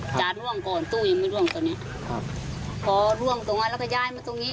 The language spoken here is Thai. จานร่วงก่อนตู้ยังไม่ร่วงตอนนี้ครับพอร่วงตรงนั้นแล้วก็ย้ายมาตรงนี้